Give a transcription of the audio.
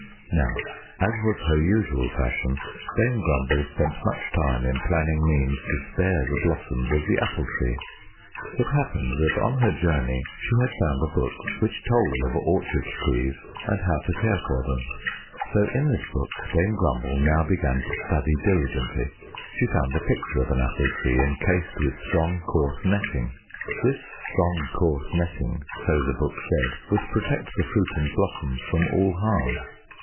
Now, as was her usual fashion, Dame Grumble spent much time in planning means to spare the blossoms of the Apple Tree. It happened that on her journey she had found a book which told of orchard trees and how to care for them. So in this book Dame Grumble now began to study diligently. She found a picture of an apple tree encased with strong, coarse netting. This strong, coarse netting, so the book said, would protect the fruit and blossoms from all harm.